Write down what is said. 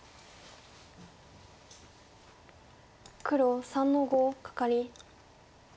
黒３の五カカリ。